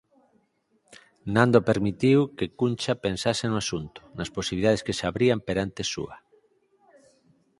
Nando permitiu que Concha pensase no asunto, nas posibilidades que se abrían perante súa;